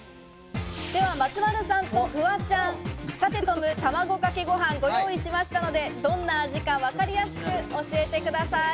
松丸さんとフワちゃん、サテトム卵かけご飯を用意しましたので、どんな味か分かりやすく教えてください。